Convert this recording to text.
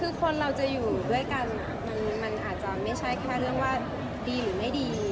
คือคนเราจะอยู่ด้วยกันมันอาจจะไม่ใช่แค่เรื่องว่าดีหรือไม่ดี